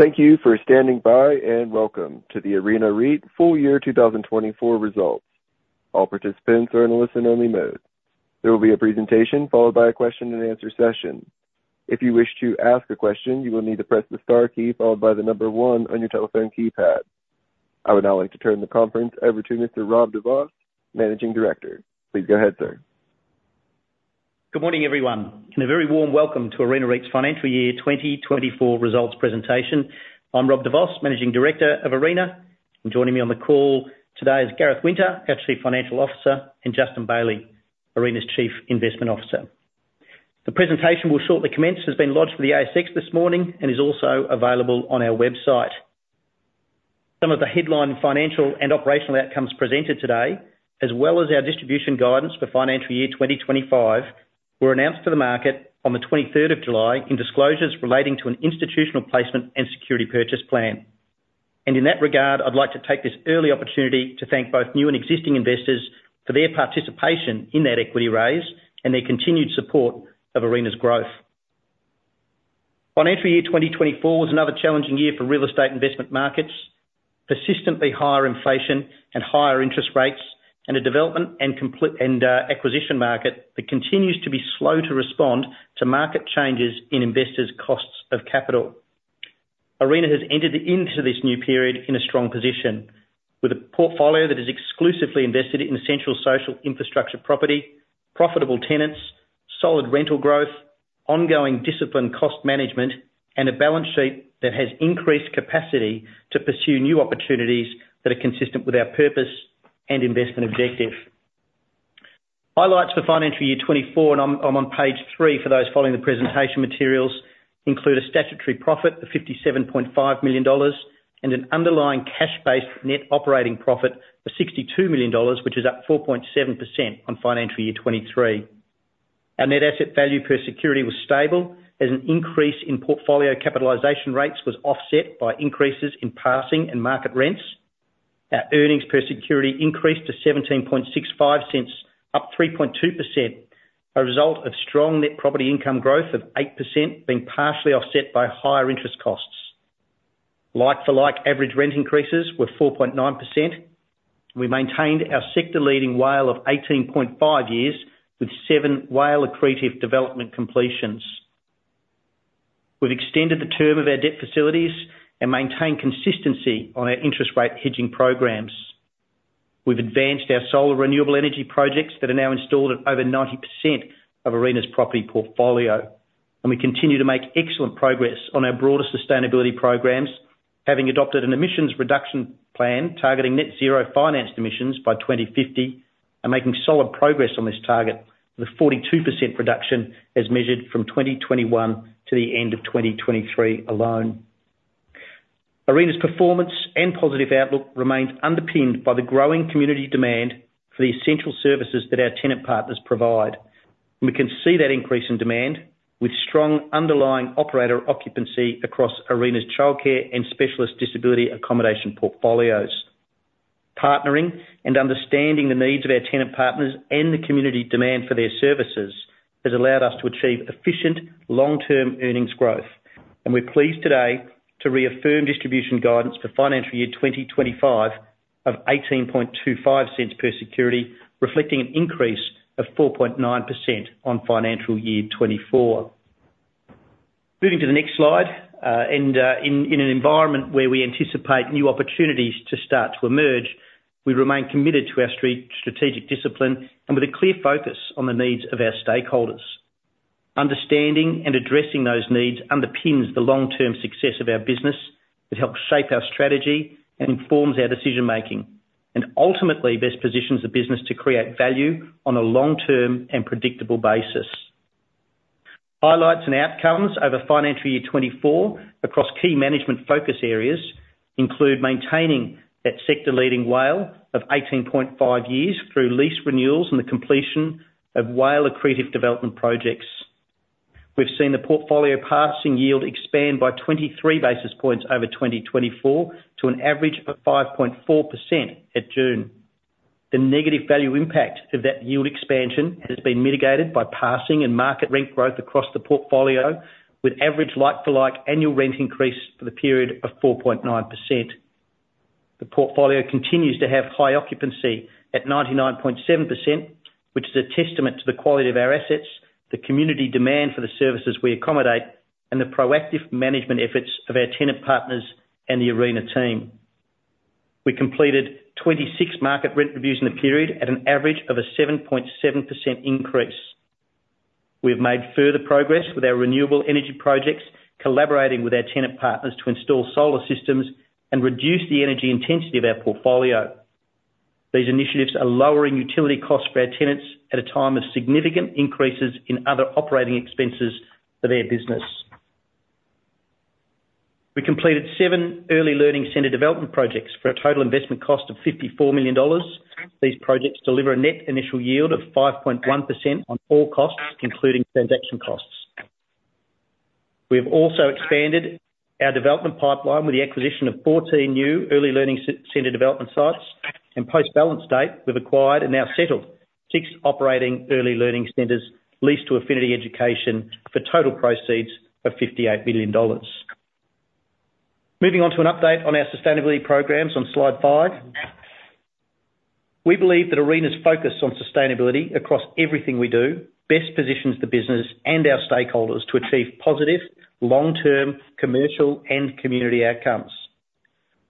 Thank you for standing by, and welcome to the Arena REIT Full Year 2024 Results. All participants are in a listen-only mode. There will be a presentation followed by a question-and-answer session. If you wish to ask a question, you will need to press the star key followed by the number one on your telephone keypad. I would now like to turn the conference over to Mr. Rob de Vos, Managing Director. Please go ahead, sir. Good morning, everyone, and a very warm welcome to Arena REIT's Financial Year 2024 Results presentation. I'm Rob de Vos, Managing Director of Arena, and joining me on the call today is Gareth Winter, our Chief Financial Officer, and Justin Bailey, Arena's Chief Investment Officer. The presentation will shortly commence, has been lodged with the ASX this morning, and is also available on our website. Some of the headline financial and operational outcomes presented today, as well as our distribution guidance for financial year 2025, were announced to the market on the 23rd of July in disclosures relating to an institutional placement and security purchase plan. And in that regard, I'd like to take this early opportunity to thank both new and existing investors for their participation in that equity raise and their continued support of Arena's growth. Financial year 2024 was another challenging year for real estate investment markets. Persistently higher inflation and higher interest rates, and a development and completion and acquisition market that continues to be slow to respond to market changes in investors' costs of capital. Arena has entered into this new period in a strong position, with a portfolio that is exclusively invested in essential social infrastructure property, profitable tenants, solid rental growth, ongoing disciplined cost management, and a balance sheet that has increased capacity to pursue new opportunities that are consistent with our purpose and investment objective. Highlights for financial year 2024, and I'm on page 3 for those following the presentation materials, include a statutory profit of $57.5 million, and an underlying cash-based net operating profit of $62 million, which is up 4.7% on financial year 2023. Our net asset value per security was stable, as an increase in portfolio capitalization rates was offset by increases in passing and market rents. Our earnings per security increased to $0.1765, up 3.2%, a result of strong net property income growth of 8%, being partially offset by higher interest costs. Like-for-like average rent increases were 4.9%. We maintained our sector-leading WALE of 18.5 years, with seven WALE-accretive development completions. We've extended the term of our debt facilities and maintained consistency on our interest rate hedging programs. We've advanced our solar renewable energy projects that are now installed at over 90% of Arena's property portfolio, and we continue to make excellent progress on our broader sustainability programs, having adopted an emissions reduction plan targeting net zero financed emissions by 2050 and making solid progress on this target, with a 42% reduction as measured from 2021 to the end of 2023 alone. Arena's performance and positive outlook remains underpinned by the growing community demand for the essential services that our tenant partners provide. We can see that increase in demand, with strong underlying operator occupancy across Arena's childcare and specialist disability accommodation portfolios. Partnering and understanding the needs of our tenant partners and the community demand for their services has allowed us to achieve efficient, long-term earnings growth, and we're pleased today to reaffirm distribution guidance for financial year 2025 of $0.1825 per security, reflecting an increase of 4.9% on financial year 2024. Moving to the next slide, in an environment where we anticipate new opportunities to start to emerge, we remain committed to our strategic discipline and with a clear focus on the needs of our stakeholders. Understanding and addressing those needs underpins the long-term success of our business. It helps shape our strategy and informs our decision-making, and ultimately, best positions the business to create value on a long-term and predictable basis. Highlights and outcomes over financial year 2024 across key management focus areas include maintaining that sector-leading WALE of 18.5 years through lease renewals and the completion of WALE-accretive development projects. We've seen the portfolio passing yield expand by 23 basis points over 2024 to an average of 5.4% at June. The negative value impact of that yield expansion has been mitigated by passing and market rent growth across the portfolio, with average like-for-like annual rent increase for the period of 4.9%. The portfolio continues to have high occupancy at 99.7%, which is a testament to the quality of our assets, the community demand for the services we accommodate, and the proactive management efforts of our tenant partners and the Arena team. We completed 26 market rent reviews in the period at an average of a 7.7% increase. We have made further progress with our renewable energy projects, collaborating with our tenant partners to install solar systems and reduce the energy intensity of our portfolio. These initiatives are lowering utility costs for our tenants at a time of significant increases in other operating expenses for their business. We completed 7 early learning center development projects for a total investment cost of $54 million. These projects deliver a net initial yield of 5.1% on all costs, including transaction costs. We have also expanded our development pipeline with the acquisition of 14 new early learning center development sites and post balance date, we've acquired and now settled 6 operating early learning centers, leased to Affinity Education for total proceeds of $58 billion. Moving on to an update on our sustainability programs on Slide five. We believe that Arena's focus on sustainability across everything we do, best positions the business and our stakeholders to achieve positive, long-term commercial and community outcomes.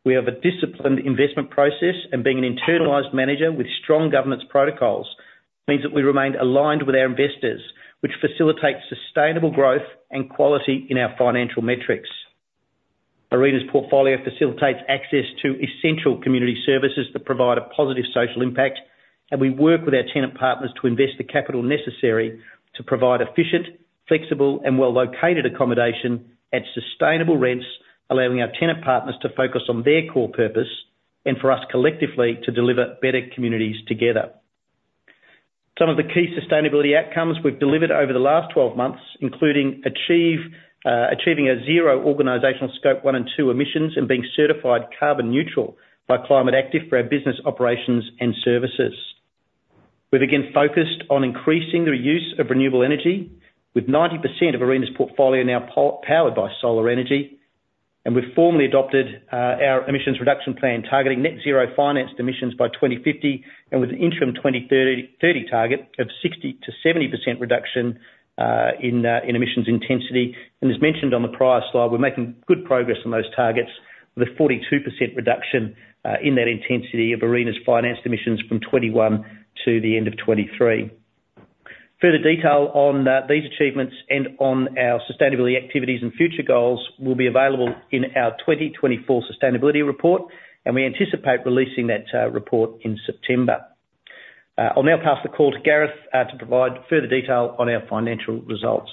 We have a disciplined investment process, and being an internalized manager with strong governance protocols, means that we remain aligned with our investors, which facilitates sustainable growth and quality in our financial metrics. Arena's portfolio facilitates access to essential community services that provide a positive social impact, and we work with our tenant partners to invest the capital necessary to provide efficient, flexible, and well-located accommodation at sustainable rents, allowing our tenant partners to focus on their core purpose and for us, collectively, to deliver better communities together. Some of the key sustainability outcomes we've delivered over the last 12 months, including achieving a zero organizational Scope 1 and 2 emissions, and being certified carbon neutral by Climate Active for our business operations and services. We've again focused on increasing the use of renewable energy, with 90% of Arena's portfolio now powered by solar energy, and we've formally adopted our emissions reduction plan, targeting net zero financed emissions by 2050, and with an interim 2030 target of 60%-70% reduction in emissions intensity. As mentioned on the prior slide, we're making good progress on those targets, with a 42% reduction in that intensity of Arena's financed emissions from 2021 to the end of 2023. Further detail on these achievements and on our sustainability activities and future goals will be available in our 2024 sustainability report, and we anticipate releasing that report in September. I'll now pass the call to Gareth to provide further detail on our financial results.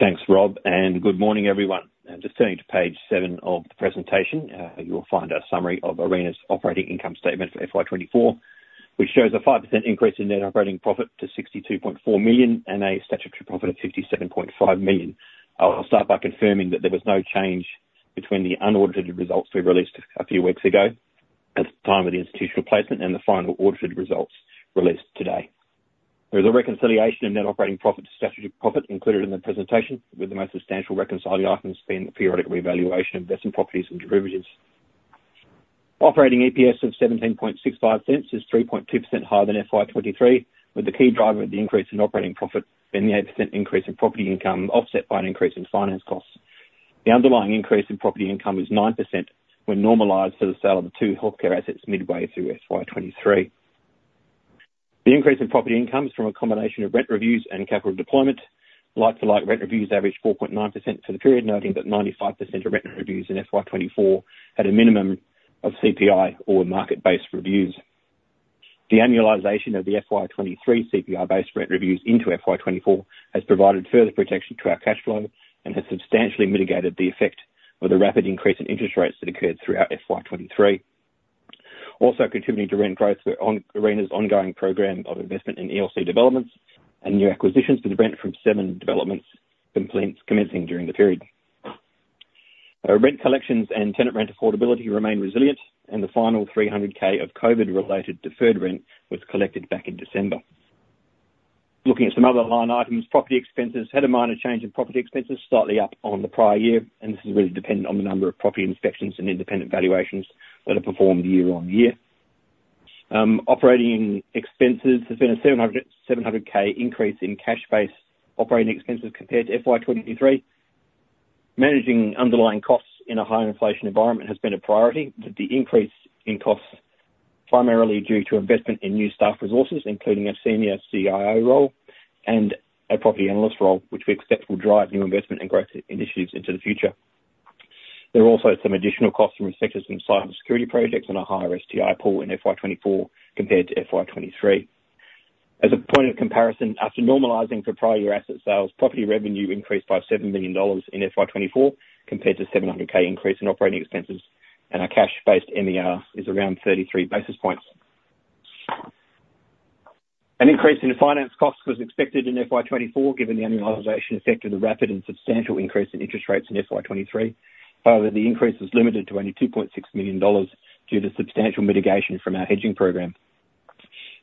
Thanks, Rob, and good morning, everyone. Just turning to page 7 of the presentation, you will find a summary of Arena's operating income statement for FY 2024, which shows a 5% increase in net operating profit to $62.4 million, and a statutory profit of $57.5 million. I'll start by confirming that there was no change between the unaudited results we released a few weeks ago at the time of the institutional placement and the final audited results released today. There is a reconciliation of net operating profit to statutory profit included in the presentation, with the most substantial reconciling items being the periodic revaluation of investment properties and derivatives. Operating EPS of $0.1765 is 3.2% higher than FY 2023, with the key driver of the increase in operating profit being the 8% increase in property income, offset by an increase in finance costs. The underlying increase in property income is 9% when normalized for the sale of the 2 healthcare assets midway through FY 2023. The increase in property income is from a combination of rent reviews and capital deployment. Like-for-like rent reviews averaged 4.9% for the period, noting that 95% of rent reviews in FY 2024 had a minimum of CPI or market-based reviews. The annualization of the FY 2023 CPI-based rent reviews into FY 2024 has provided further protection to our cash flow and has substantially mitigated the effect of the rapid increase in interest rates that occurred throughout FY 2023. Also contributing to rent growth are Arena's ongoing program of investment in ELC developments and new acquisitions to the rent from 7 developments commenced during the period. Our rent collections and tenant rent affordability remain resilient, and the final $300,000 of COVID-related deferred rent was collected back in December. Looking at some other line items, property expenses had a minor change in property expenses, slightly up on the prior year, and this is really dependent on the number of property inspections and independent valuations that are performed year on year. Operating expenses, there's been a $700,000 increase in cash base operating expenses compared to FY 2023. Managing underlying costs in a high inflation environment has been a priority, with the increase in costs primarily due to investment in new staff resources, including a senior CIO role and a property analyst role, which we expect will drive new investment and growth initiatives into the future. There are also some additional costs from sectors from cybersecurity projects and a higher STI pool in FY 2024 compared to FY 2023. As a point of comparison, after normalizing for prior year asset sales, property revenue increased by $7 million in FY 2024, compared to $700,000 increase in operating expenses, and our cash-based MER is around 33 basis points. An increase in the finance costs was expected in FY 2024, given the annualization effect of the rapid and substantial increase in interest rates in FY 2023. However, the increase was limited to only $2.6 million due to substantial mitigation from our hedging program.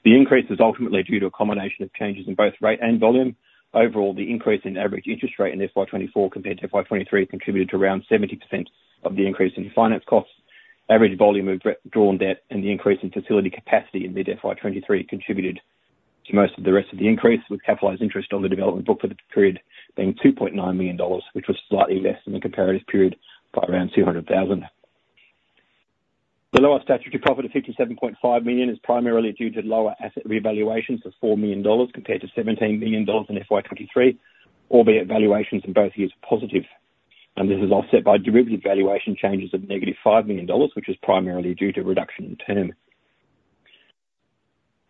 The increase is ultimately due to a combination of changes in both rate and volume. Overall, the increase in average interest rate in FY 2024 compared to FY 2023, contributed to around 70% of the increase in finance costs. Average volume of drawn debt and the increase in facility capacity in mid-FY 2023 contributed to most of the rest of the increase, with capitalized interest on the development book for the period being $2.9 million, which was slightly less than the comparative period by around $200,000. The lower statutory profit of $57.5 million is primarily due to lower asset revaluations of $4 million, compared to $17 million in FY 2023, albeit valuations in both years are positive. This is offset by derivative valuation changes of $5 million, which is primarily due to reduction in term.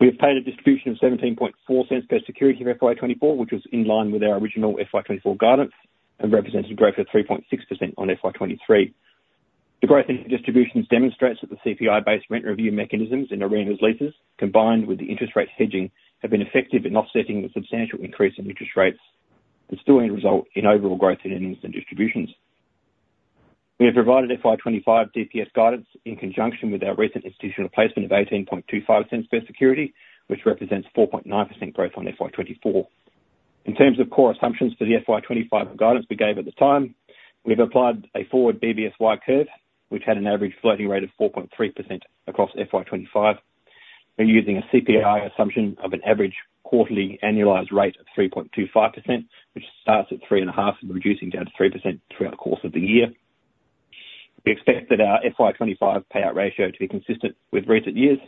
We have paid a distribution of $0.174 per security for FY 2024, which was in line with our original FY 2024 guidance, and represented growth of 3.6% on FY 2023. The growth in distributions demonstrates that the CPI-based rent review mechanisms in Arena's leases, combined with the interest rate hedging, have been effective in offsetting the substantial increase in interest rates... but still will result in overall growth in earnings and distributions. We have provided FY 2025 DPS guidance in conjunction with our recent institutional placement of $0.1825 per security, which represents 4.9% growth on FY 2024. In terms of core assumptions for the FY 25 guidance we gave at the time, we've applied a forward BBSY curve, which had an average floating rate of 4.3% across FY 25. We're using a CPI assumption of an average quarterly annualized rate of 3.25%, which starts at 3.5, reducing down to 3% throughout the course of the year. We expect that our FY 25 payout ratio to be consistent with recent years,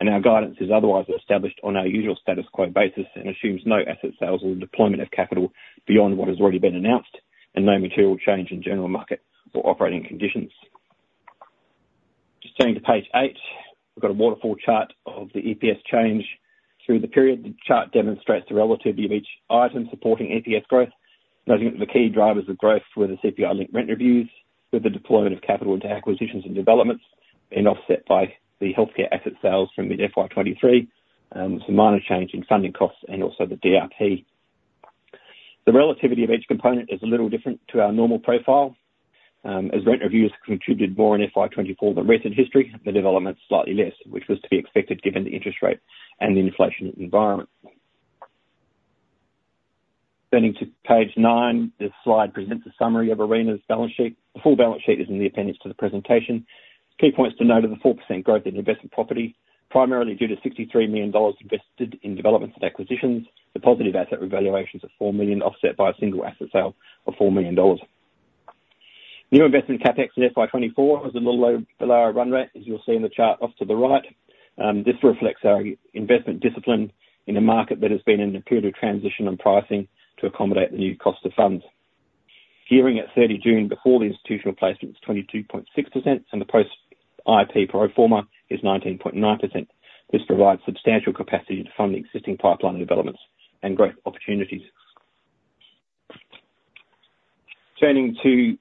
and our guidance is otherwise established on our usual status quo basis and assumes no asset sales or deployment of capital beyond what has already been announced, and no material change in general market or operating conditions. Just turning to page 8, we've got a waterfall chart of the EPS change through the period. The chart demonstrates the relativity of each item supporting EPS growth, noting that the key drivers of growth were the CPI-linked rent reviews with the deployment of capital into acquisitions and developments, and offset by the healthcare asset sales from the FY 2023, some minor change in funding costs and also the DRP. The relativity of each component is a little different to our normal profile. As rent reviews contributed more in FY 2024 than recent history, the development is slightly less, which was to be expected given the interest rate and the inflation environment. Turning to page 9, this slide presents a summary of Arena's balance sheet. The full balance sheet is in the appendix to the presentation. Key points to note are the 4% growth in investment property, primarily due to $63 million invested in developments and acquisitions. The positive asset revaluations of $4 million, offset by a single asset sale of $4 million. New investment CapEx in FY 2024 was a little low, below our run rate, as you'll see in the chart off to the right. This reflects our investment discipline in a market that has been in a period of transition and pricing to accommodate the new cost of funds. Gearing at 30 June, before the institutional placement, was 22.6%, and the post IP pro forma is 19.9%. This provides substantial capacity to fund the existing pipeline developments and growth opportunities. Turning to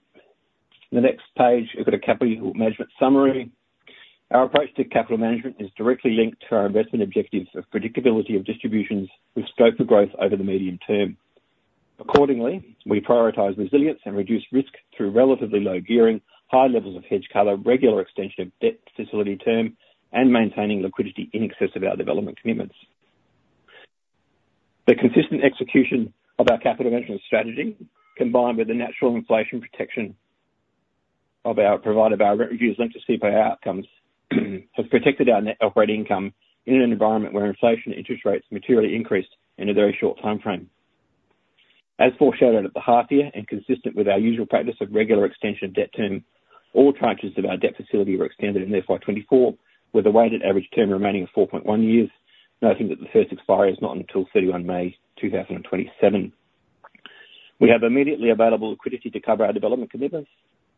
the next page, we've got a capital management summary. Our approach to capital management is directly linked to our investment objectives of predictability of distributions with scope for growth over the medium term. Accordingly, we prioritize resilience and reduce risk through relatively low gearing, high levels of hedge cover, regular extension of debt facility term, and maintaining liquidity in excess of our development commitments. The consistent execution of our capital management strategy, combined with the natural inflation protection of our provider by our rent reviews linked to CPI outcomes, have protected our net operating income in an environment where inflation interest rates materially increased in a very short timeframe. As foreshadowed at the half year and consistent with our usual practice of regular extension of debt term, all tranches of our debt facility were extended in FY 2024, with a weighted average term remaining of 4.1 years, noting that the first expiry is not until 31 May 2027. We have immediately available liquidity to cover our development commitments.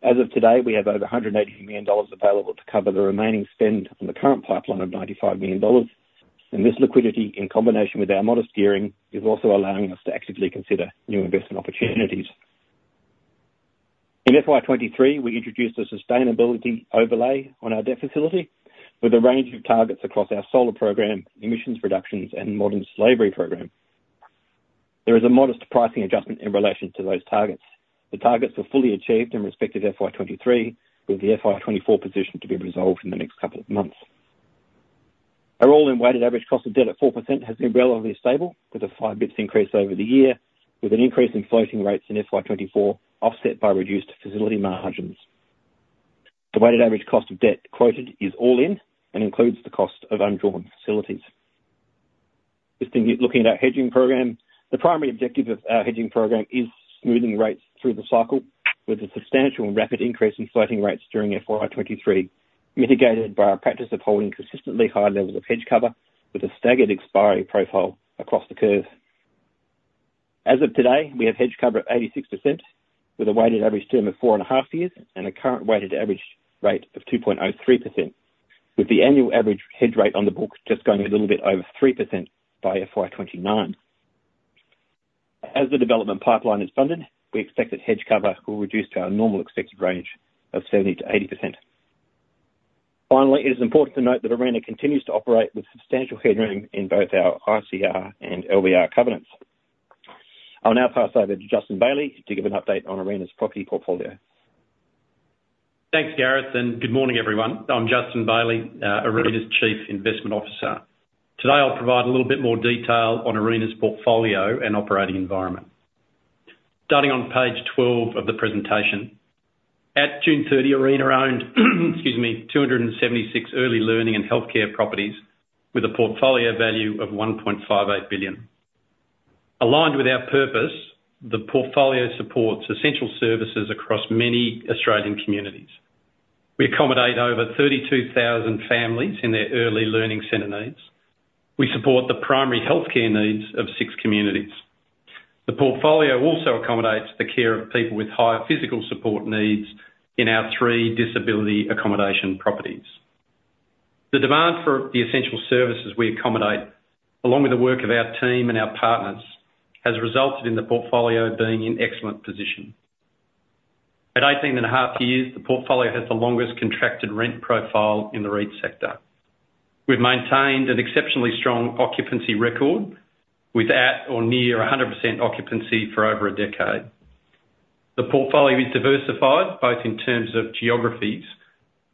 As of today, we have over $180 million available to cover the remaining spend on the current pipeline of $95 million, and this liquidity, in combination with our modest gearing, is also allowing us to actively consider new investment opportunities. In FY 2023, we introduced a sustainability overlay on our debt facility with a range of targets across our solar program, emissions reductions, and modern slavery program. There is a modest pricing adjustment in relation to those targets. The targets were fully achieved in respective FY 2023, with the FY 2024 position to be resolved in the next couple of months. Our all-in weighted average cost of debt at 4% has been relatively stable, with a 5 basis points increase over the year, with an increase in floating rates in FY 2024, offset by reduced facility margins. The weighted average cost of debt quoted is all in and includes the cost of undrawn facilities. Just in here, looking at our hedging program, the primary objective of our hedging program is smoothing rates through the cycle, with a substantial and rapid increase in floating rates during FY 2023, mitigated by our practice of holding consistently high levels of hedge cover with a staggered expiry profile across the curve. As of today, we have hedge cover at 86%, with a weighted average term of 4.5 years and a current weighted average rate of 2.03%, with the annual average hedge rate on the books just going a little bit over 3% by FY 2029. As the development pipeline is funded, we expect that hedge cover will reduce to our normal expected range of 70%-80%. Finally, it is important to note that Arena continues to operate with substantial headroom in both our ICR and LVR covenants. I'll now pass over to Justin Bailey to give an update on Arena's property portfolio. Thanks, Gareth, and good morning, everyone. I'm Justin Bailey, Arena's Chief Investment Officer. Today, I'll provide a little bit more detail on Arena's portfolio and operating environment. Starting on page 12 of the presentation. At June 30, Arena owned, excuse me, 276 early learning and healthcare properties with a portfolio value of $1.58 billion. Aligned with our purpose, the portfolio supports essential services across many Australian communities. We accommodate over 32,000 families in their early learning center needs. We support the primary healthcare needs of six communities. The portfolio also accommodates the care of people with higher physical support needs in our three disability accommodation properties. The demand for the essential services we accommodate, along with the work of our team and our partners, has resulted in the portfolio being in excellent position.... At 18.5 years, the portfolio has the longest contracted rent profile in the REIT sector. We've maintained an exceptionally strong occupancy record, with at or near 100% occupancy for over a decade. The portfolio is diversified, both in terms of geographies,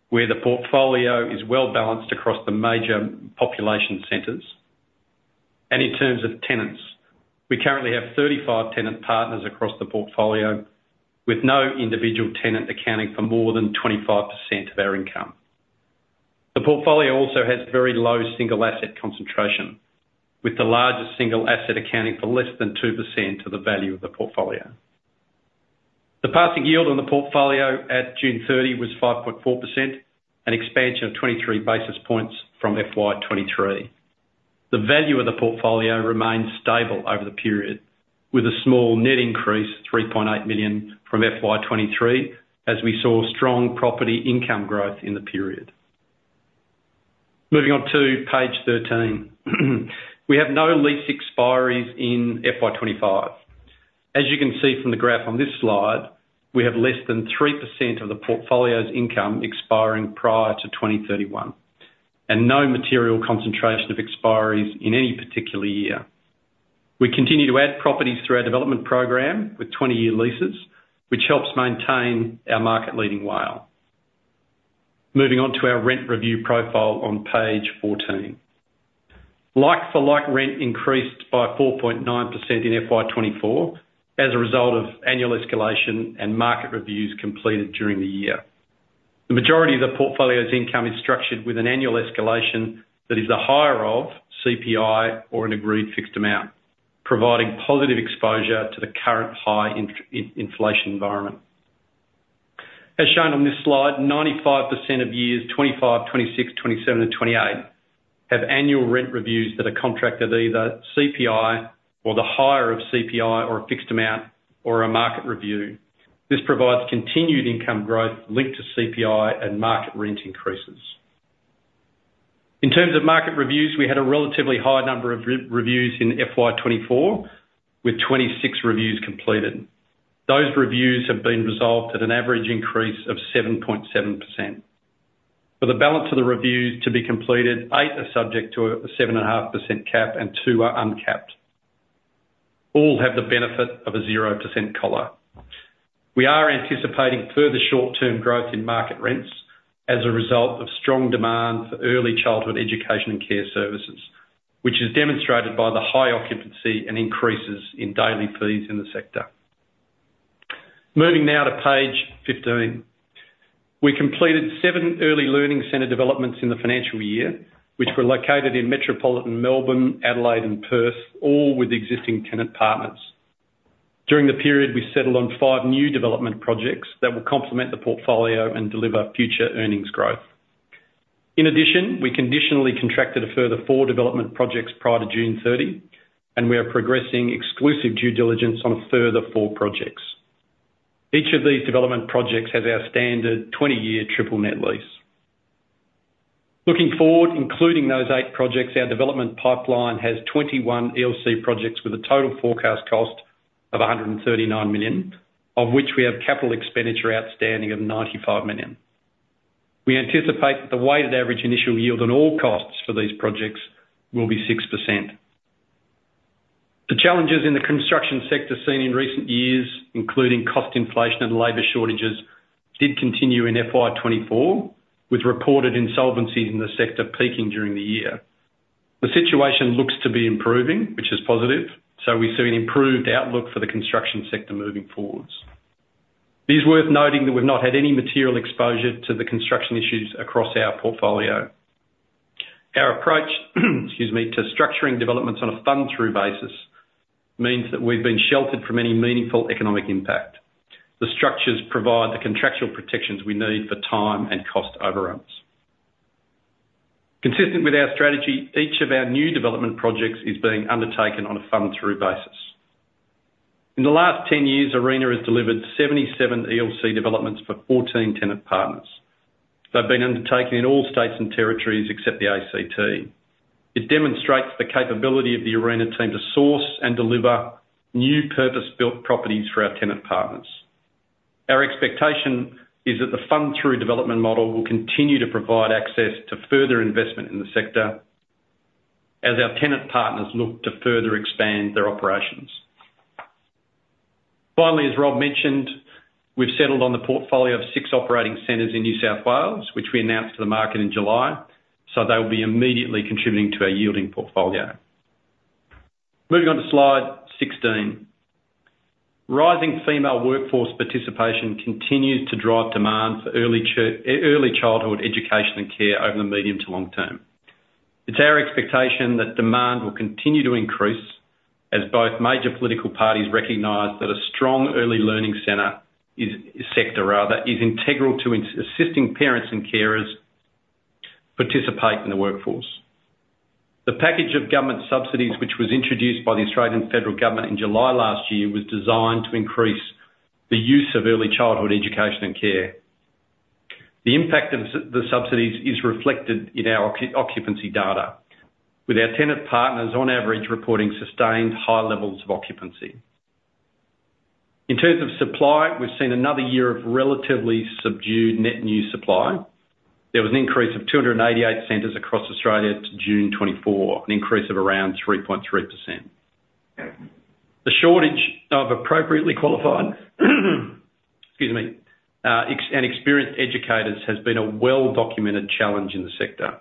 where the portfolio is well-balanced across the major population centers, and in terms of tenants. We currently have 35 tenant partners across the portfolio, with no individual tenant accounting for more than 25% of our income. The portfolio also has very low single asset concentration, with the largest single asset accounting for less than 2% of the value of the portfolio. The passing yield on the portfolio at June 30 was 5.4%, an expansion of 23 basis points from FY 2023. The value of the portfolio remained stable over the period, with a small net increase, $3.8 million from FY 2023, as we saw strong property income growth in the period. Moving on to page 13. We have no lease expiries in FY 2025. As you can see from the graph on this slide, we have less than 3% of the portfolio's income expiring prior to 2031, and no material concentration of expiries in any particular year. We continue to add properties through our development program with 20-year leases, which helps maintain our market-leading WALE. Moving on to our rent review profile on page 14. Like-for-like rent increased by 4.9% in FY 2024 as a result of annual escalation and market reviews completed during the year. The majority of the portfolio's income is structured with an annual escalation that is the higher of CPI or an agreed fixed amount, providing positive exposure to the current high inflation environment. As shown on this slide, 95% of years 2025, 2026, 2027, and 2028 have annual rent reviews that are contracted either CPI or the higher of CPI, or a fixed amount, or a market review. This provides continued income growth linked to CPI and market rent increases. In terms of market reviews, we had a relatively high number of reviews in FY 2024, with 26 reviews completed. Those reviews have been resolved at an average increase of 7.7%. For the balance of the reviews to be completed, eight are subject to a 7.5% cap and two are uncapped. All have the benefit of a 0% collar. We are anticipating further short-term growth in market rents as a result of strong demand for early childhood education and care services, which is demonstrated by the high occupancy and increases in daily fees in the sector. Moving now to page 15. We completed 7 early learning center developments in the financial year, which were located in metropolitan Melbourne, Adelaide, and Perth, all with existing tenant partners. During the period, we settled on 5 new development projects that will complement the portfolio and deliver future earnings growth. In addition, we conditionally contracted a further 4 development projects prior to June 30, and we are progressing exclusive due diligence on a further 4 projects. Each of these development projects has our standard 20-year triple net lease. Looking forward, including those eight projects, our development pipeline has 21 ELC projects with a total forecast cost of $139 million, of which we have capital expenditure outstanding of $95 million. We anticipate that the weighted average initial yield on all costs for these projects will be 6%. The challenges in the construction sector seen in recent years, including cost inflation and labor shortages, did continue in FY 2024, with reported insolvencies in the sector peaking during the year. The situation looks to be improving, which is positive, so we see an improved outlook for the construction sector moving forward. It is worth noting that we've not had any material exposure to the construction issues across our portfolio. Our approach, excuse me, to structuring developments on a fund-through basis means that we've been sheltered from any meaningful economic impact. The structures provide the contractual protections we need for time and cost overruns. Consistent with our strategy, each of our new development projects is being undertaken on a fund-through basis. In the last 10 years, Arena has delivered 77 ELC developments for 14 tenant partners. They've been undertaken in all states and territories except the ACT. It demonstrates the capability of the Arena team to source and deliver new purpose-built properties for our tenant partners. Our expectation is that the fund-through development model will continue to provide access to further investment in the sector as our tenant partners look to further expand their operations. Finally, as Rob mentioned, we've settled on the portfolio of six operating centers in New South Wales, which we announced to the market in July, so they will be immediately contributing to our yielding portfolio. Moving on to slide 16. Rising female workforce participation continues to drive demand for early childhood education and care over the medium to long term. It's our expectation that demand will continue to increase, as both major political parties recognize that a strong early learning center sector rather is integral to assisting parents and carers participate in the workforce. The package of government subsidies, which was introduced by the Australian Federal Government in July last year, was designed to increase the use of early childhood education and care. The impact of the subsidies is reflected in our occupancy data, with our tenant partners on average reporting sustained high levels of occupancy. In terms of supply, we've seen another year of relatively subdued net new supply. There was an increase of 288 centers across Australia to June 2024, an increase of around 3.3%. The shortage of appropriately qualified, excuse me, experienced educators has been a well-documented challenge in the sector,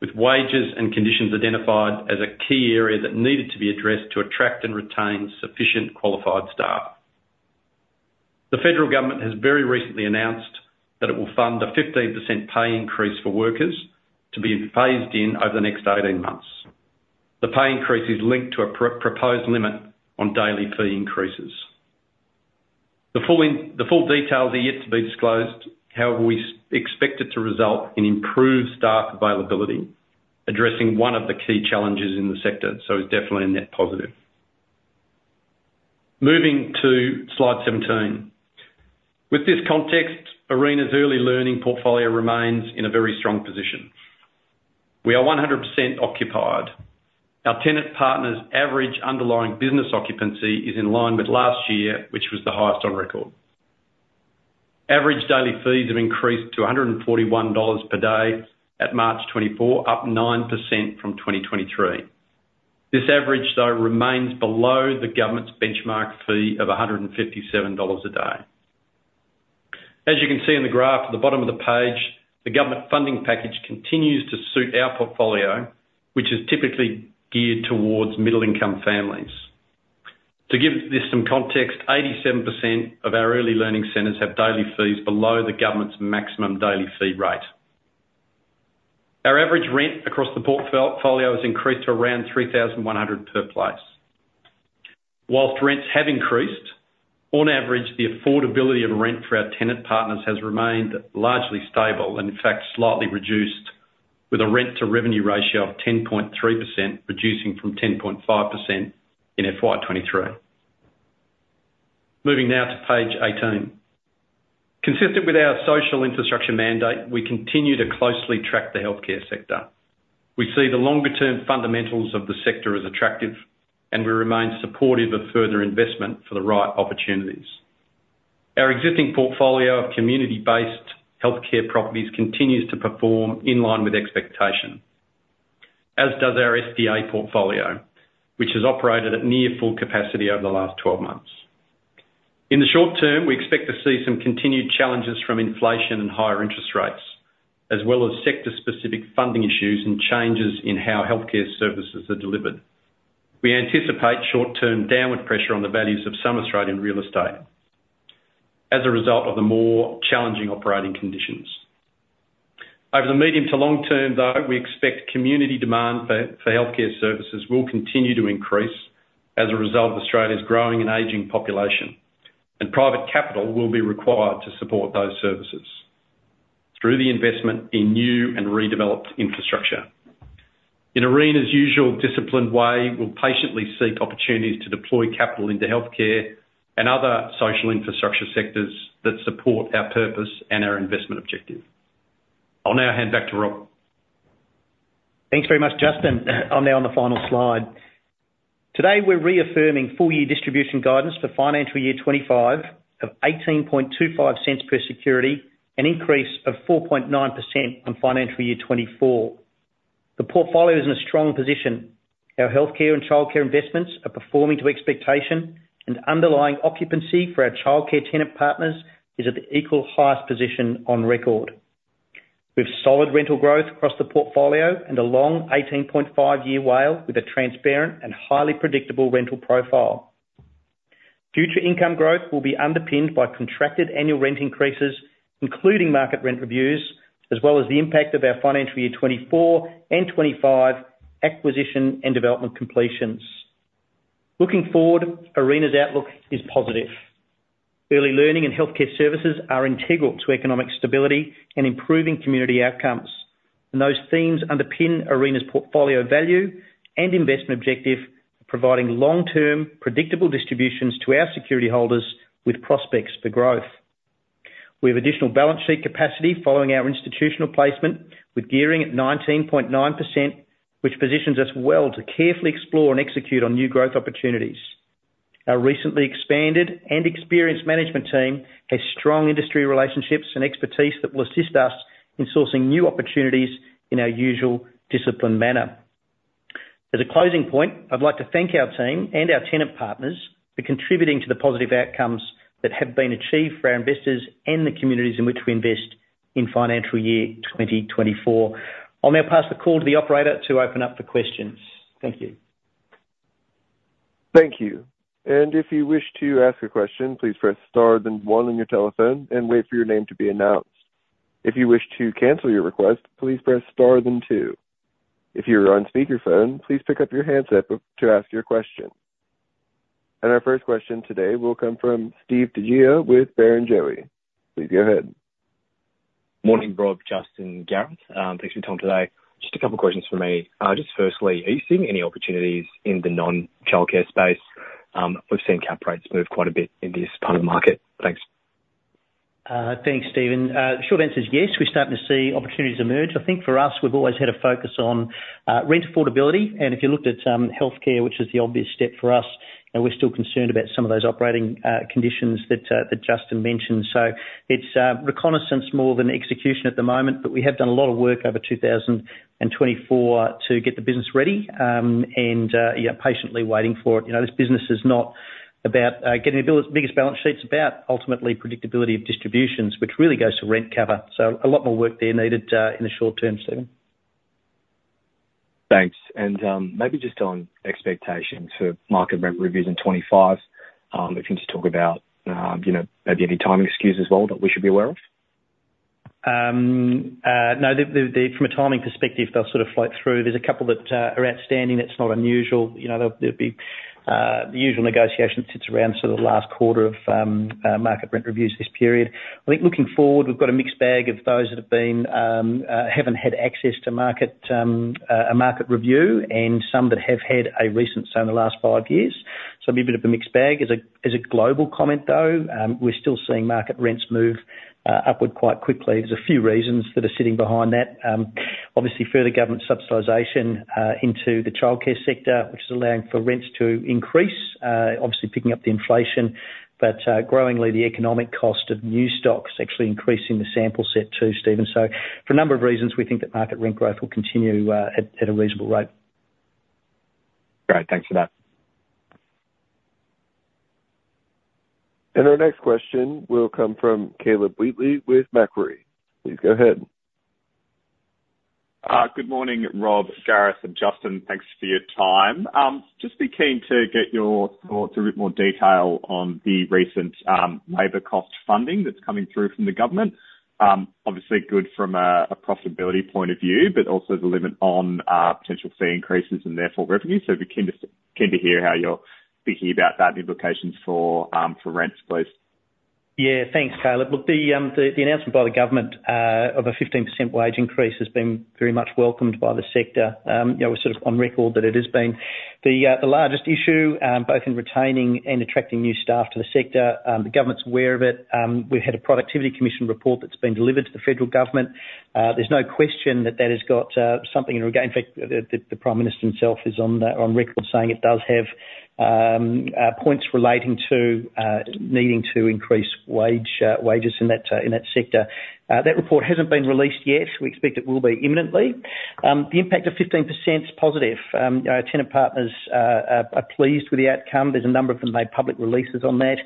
with wages and conditions identified as a key area that needed to be addressed to attract and retain sufficient qualified staff. The federal government has very recently announced that it will fund a 15% pay increase for workers to be phased in over the next 18 months. The pay increase is linked to a proposed limit on daily fee increases. The full details are yet to be disclosed, however, we expect it to result in improved staff availability, addressing one of the key challenges in the sector, so it's definitely a net positive. Moving to slide 17. With this context, Arena's early learning portfolio remains in a very strong position. We are 100% occupied. Our tenant partners' average underlying business occupancy is in line with last year, which was the highest on record. Average daily fees have increase to $141 per day at March 2024, up 9% from 2023. This average, though, remains below the government's benchmark fee of $157 a day. As you can see in the graph at the bottom of the page, the government funding package continues to suit our portfolio, which is typically geared towards middle-income families. To give this some context, 87% of our early learning centers have daily fees below the government's maximum daily fee rate. Our average rent across the portfolio has increased to around $3,100 per place. While rents have increased, on average, the affordability of rent for our tenant partners has remained largely stable, and in fact, slightly reduced, with a rent-to-revenue ratio of 10.3%, reducing from 10.5% in FY 2023. Moving now to page 18. Consistent with our social infrastructure mandate, we continue to closely track the healthcare sector. We see the longer term fundamentals of the sector as attractive, and we remain supportive of further investment for the right opportunities. Our existing portfolio of community-based healthcare properties continues to perform in line with expectation, as does our SDA portfolio, which has operated at near full capacity over the last 12 months. In the short term, we expect to see some continued challenges from inflation and higher interest rates, as well as sector-specific funding issues and changes in how healthcare services are delivered. We anticipate short-term downward pressure on the values of some Australian real estate as a result of the more challenging operating conditions. Over the medium to long term, though, we expect community demand for healthcare services will continue to increase as a result of Australia's growing and aging population, and private capital will be required to support those services through the investment in new and redeveloped infrastructure. In Arena's usual disciplined way, we'll patiently seek opportunities to deploy capital into healthcare and other social infrastructure sectors that support our purpose and our investment objective. I'll now hand back to Rob. Thanks very much, Justin. I'm now on the final slide. Today, we're reaffirming full-year distribution guidance for financial year 2025 of $0.1825 per security, an increase of 4.9% on financial year 2024. The portfolio is in a strong position. Our healthcare and childcare investments are performing to expectation, and underlying occupancy for our childcare tenant partners is at the equal highest position on record. We have solid rental growth across the portfolio and a long 18.5-year WALE, with a transparent and highly predictable rental profile. Future income growth will be underpinned by contracted annual rent increases, including market rent reviews, as well as the impact of our financial year 2024 and 2025 acquisition and development completions. Looking forward, Arena's outlook is positive. Early learning and healthcare services are integral to economic stability and improving community outcomes, and those themes underpin Arena's portfolio value and investment objective, providing long-term, predictable distributions to our security holders with prospects for growth. We have additional balance sheet capacity following our institutional placement, with gearing at 19.9%, which positions us well to carefully explore and execute on new growth opportunities. Our recently expanded and experienced management team has strong industry relationships and expertise that will assist us in sourcing new opportunities in our usual disciplined manner. As a closing point, I'd like to thank our team and our tenant partners for contributing to the positive outcomes that have been achieved for our investors and the communities in which we invest in financial year 2024. I'll now pass the call to the operator to open up the questions. Thank you. Thank you. If you wish to ask a question, please press star then one on your telephone and wait for your name to be announced. If you wish to cancel your request, please press star then two. If you are on speakerphone, please pick up your handset to ask your question. Our first question today will come from Steve DiGioia with Barrenjoey. Please go ahead. Morning, Rob, Justin, Gareth. Thanks for your time today. Just a couple questions from me. Just firstly, are you seeing any opportunities in the non-childcare space?... we've seen cap rates move quite a bit in this kind of market. Thanks. Thanks, Steve. The short answer is yes, we're starting to see opportunities emerge. I think for us, we've always had a focus on rent affordability, and if you looked at healthcare, which is the obvious step for us, and we're still concerned about some of those operating conditions that Justin mentioned. So it's reconnaissance more than execution at the moment, but we have done a lot of work over 2024 to get the business ready, and yeah, patiently waiting for it. You know, this business is not about getting the biggest balance sheet, it's about ultimately predictability of distributions, which really goes to rent cover. So a lot more work there needed in the short term, Steve. Thanks. Maybe just on expectations for market rent reviews in 2025, if you can just talk about, you know, maybe any timing skews as well that we should be aware of? No, from a timing perspective, they'll sort of float through. There's a couple that are outstanding, that's not unusual. You know, there'll be the usual negotiation sits around sort of the last quarter of market rent reviews this period. I think looking forward, we've got a mixed bag of those that have been haven't had access to market a market review, and some that have had a recent, so in the last five years. So it'll be a bit of a mixed bag. As a global comment, though, we're still seeing market rents move upward quite quickly. There's a few reasons that are sitting behind that. Obviously, further government subsidization into the childcare sector, which is allowing for rents to increase, obviously picking up the inflation. Growingly, the economic cost of new stocks actually increasing the sample set too, Steve. For a number of reasons, we think that market rent growth will continue at a reasonable rate. Great, thanks for that. Our next question will come from Caleb Wheatley with Macquarie. Please go ahead. Good morning, Rob, Gareth, and Justin. Thanks for your time. Just be keen to get your thoughts in a bit more detail on the recent labor cost funding that's coming through from the government. Obviously good from a profitability point of view, but also the limit on potential fee increases and therefore revenue. So be keen to hear how you're thinking about that and implications for rents, please. Yeah. Thanks, Caleb. Look, the announcement by the government of a 15% wage increase has been very much welcomed by the sector. You know, we're sort of on record that it has been the largest issue both in retaining and attracting new staff to the sector. The government's aware of it. We've had a Productivity Commission report that's been delivered to the Federal Government. There's no question that that has got something in... In fact, the Prime Minister himself is on record saying it does have points relating to needing to increase wages in that sector. That report hasn't been released yet. We expect it will be imminently. The impact of 15% is positive. Our tenant partners are pleased with the outcome. There's a number of them made public releases on that.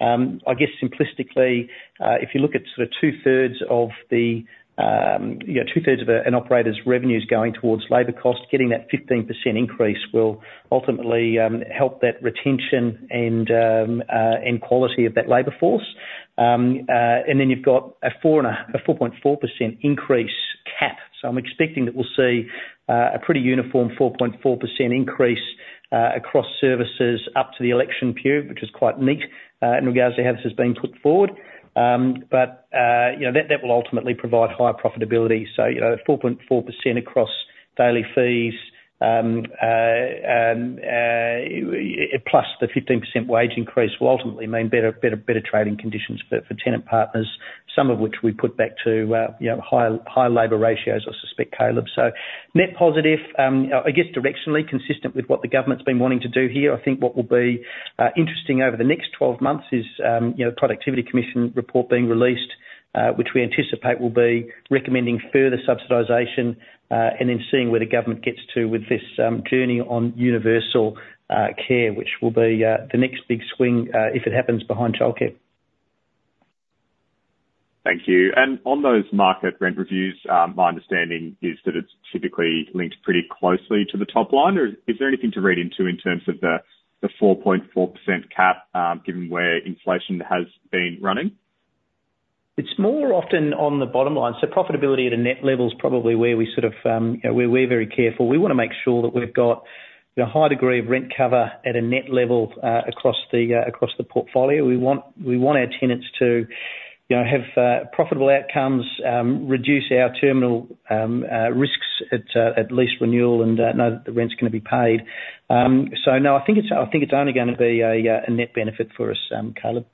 I guess simplistically, if you look at sort of two-thirds of the, you know, two-thirds of an operator's revenues going towards labor costs, getting that 15% increase will ultimately help that retention and, and quality of that labor force. And then you've got a 4.4% increase cap. So I'm expecting that we'll see a pretty uniform 4.4% increase across services up to the election period, which is quite neat in regards to how this has been put forward. But, you know, that will ultimately provide higher profitability. So, you know, 4.4% across daily fees, plus the 15% wage increase will ultimately mean better, better, better trading conditions for, for tenant partners, some of which we put back to, you know, higher, higher labor ratios, I suspect, Caleb. So net positive, I guess directionally consistent with what the government's been wanting to do here. I think what will be interesting over the next 12 months is, you know, Productivity Commission report being released, which we anticipate will be recommending further subsidization, and then seeing where the government gets to with this, journey on universal, care, which will be, the next big swing, if it happens behind childcare. Thank you. And on those market rent reviews, my understanding is that it's typically linked pretty closely to the top line. Or is there anything to read into in terms of the 4.4% cap, given where inflation has been running? It's more often on the bottom line, so profitability at a net level is probably where we sort of, you know, we're, we're very careful. We wanna make sure that we've got a high degree of rent cover at a net level, across the, across the portfolio. We want, we want our tenants to, you know, have, profitable outcomes, reduce our terminal risks at, at lease renewal and, know that the rent's gonna be paid. So no, I think it's, I think it's only gonna be a, a net benefit for us, Caleb.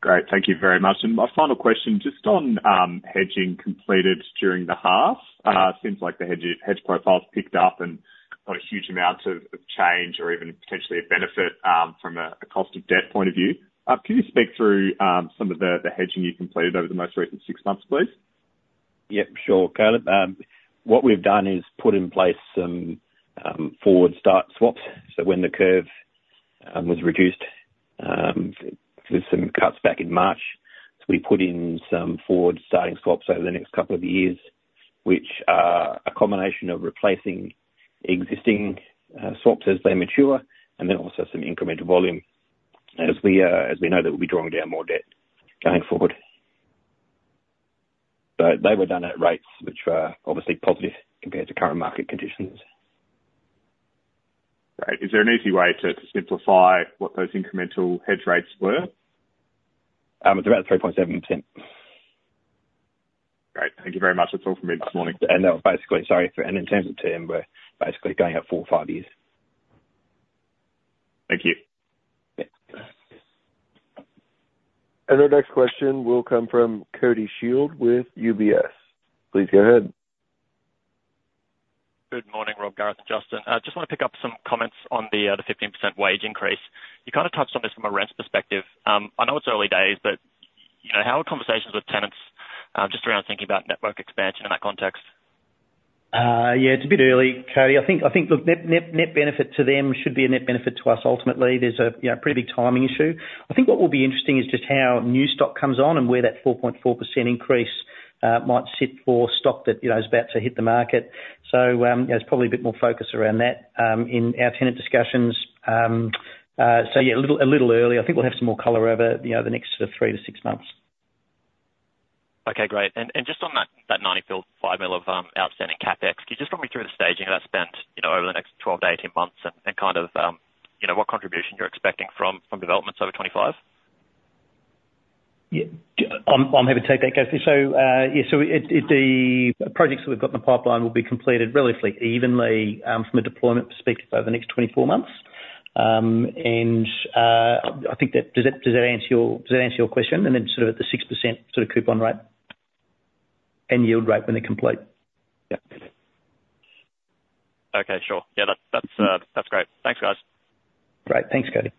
Great. Thank you very much. And my final question, just on hedging completed during the half. Seems like the hedge profile's picked up and got a huge amount of change or even potentially a benefit from a cost of debt point of view. Can you speak through some of the hedging you completed over the most recent six months, please? Yep, sure, Caleb. What we've done is put in place some forward start swaps. So when the curve was reduced with some cuts back in March, so we put in some forward-starting swaps over the next couple of years, which are a combination of replacing existing swaps as they mature, and then also some incremental volume as we know that we'll be drawing down more debt going forward. So they were done at rates which were obviously positive compared to current market conditions. Great. Is there an easy way to simplify what those incremental hedge rates were? It's about 3.7%. Thank you very much. That's all for me this morning. That was basically in terms of term, we're basically going out 4-5 years. Thank you. Yeah. Our next question will come from Cody Shield with UBS. Please go ahead. Good morning, Rob, Gareth, and Justin. I just want to pick up some comments on the fifteen percent wage increase. You kind of touched on this from a rent perspective. I know it's early days, but, you know, how are conversations with tenants, just around thinking about network expansion in that context? Yeah, it's a bit early, Cody. I think, I think the net, net, net benefit to them should be a net benefit to us ultimately. There's a, you know, pretty big timing issue. I think what will be interesting is just how new stock comes on and where that 4.4% increase might sit for stock that, you know, is about to hit the market. So, there's probably a bit more focus around that in our tenant discussions. So yeah, a little, a little early. I think we'll have some more color over, you know, the next three to six months. Okay, great. Just on that, that $95 million of outstanding CapEx, can you just walk me through the staging of that spent, you know, over the next 12 to 18 months and kind of, you know, what contribution you're expecting from developments over 2025? Yeah, I'm happy to take that, Cody. So, yeah, so the projects that we've got in the pipeline will be completed relatively evenly, from a deployment perspective, over the next 24 months. And I think that, does that answer your question? And then sort of at the 6% sort of coupon rate and yield rate when they're complete. Yeah. Okay, sure. Yeah, that's, that's, that's great. Thanks, guys. Great. Thanks, Cody.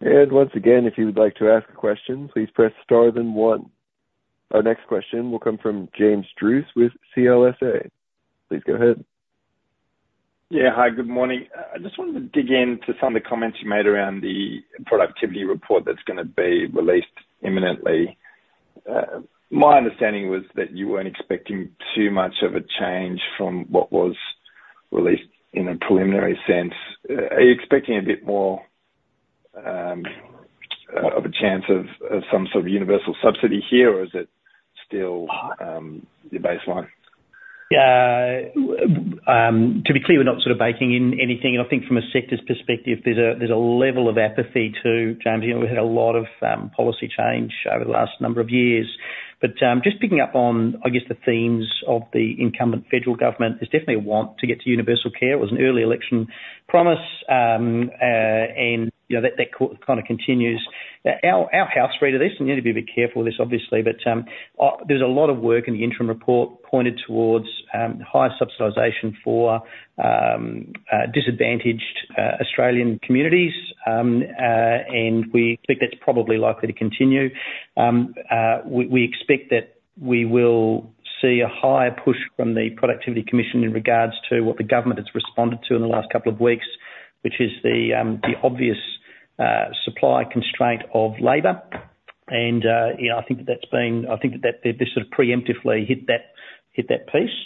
And once again, if you would like to ask a question, please press star then one. Our next question will come from James Druce with CLSA. Please go ahead. Yeah. Hi, good morning. I just wanted to dig into some of the comments you made around the productivity report that's gonna be released imminently. My understanding was that you weren't expecting too much of a change from what was released in a preliminary sense. Are you expecting a bit more of a chance of some sort of universal subsidy here, or is it still your baseline? Yeah, to be clear, we're not sort of baking in anything, and I think from a sector's perspective, there's a level of apathy, too, James. You know, we've had a lot of policy change over the last number of years. But just picking up on, I guess, the themes of the incumbent federal government, there's definitely a want to get to universal care. It was an early election promise, and, you know, that kind of continues. Our house read of this, and we need to be a bit careful with this, obviously, but there's a lot of work in the interim report pointed towards higher subsidization for disadvantaged Australian communities. And we think that's probably likely to continue. We expect that we will see a higher push from the Productivity Commission in regards to what the government has responded to in the last couple of weeks, which is the obvious supply constraint of labor, and you know, I think that this sort of preemptively hit that piece.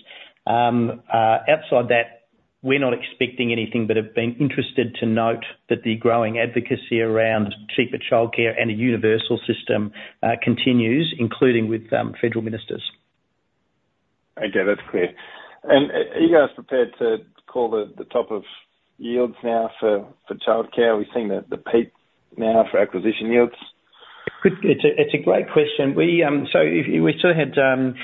Outside that, we're not expecting anything but have been interested to note that the growing advocacy around cheaper childcare and a universal system continues, including with federal ministers. Okay, that's clear. And are you guys prepared to call the top of yields now for childcare? Are we seeing the peak now for acquisition yields? Good. It's a great question. We, so if we still had a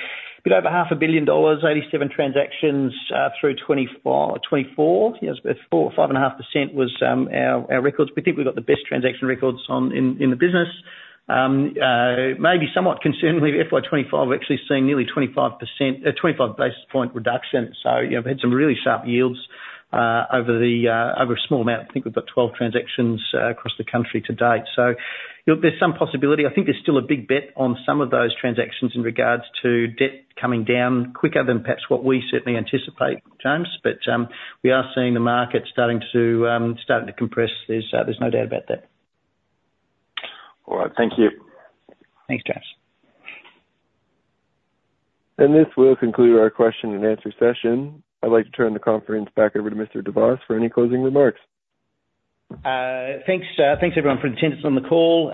bit over$500 million, 87 transactions through 2024, 2024. Yes, 4.5% was our records. We think we've got the best transaction records in the business. Maybe somewhat concerningly, FY 2025, we're actually seeing nearly 25%, 25 basis point reduction. So you know, we've had some really sharp yields over a small amount. I think we've got 12 transactions across the country to date. So you know, there's some possibility. I think there's still a big bet on some of those transactions in regards to debt coming down quicker than perhaps what we certainly anticipate, James. But, we are seeing the market starting to compress. There's no doubt about that. All right. Thank you. Thanks, James. This will conclude our question and answer session. I'd like to turn the conference back over to Mr. de Vos for any closing remarks. Thanks, thanks everyone, for attending us on the call.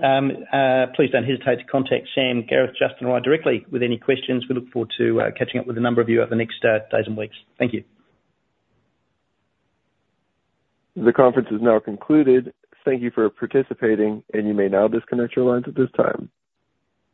Please don't hesitate to contact Sam, Gareth, Justin, or I directly with any questions. We look forward to catching up with a number of you over the next days and weeks. Thank you. The conference is now concluded. Thank you for participating, and you may now disconnect your lines at this time.